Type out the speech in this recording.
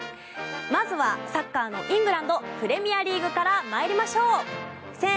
まずはサッカーのイングランドプレミアリーグから参りましょう。